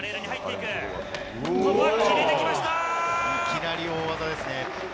いきなり大技ですね。